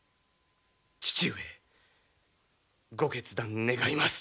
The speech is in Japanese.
父上ご決断願います。